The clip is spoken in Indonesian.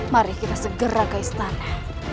mari kita segera ke istana